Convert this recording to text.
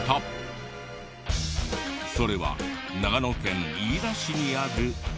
それは長野県飯田市にある。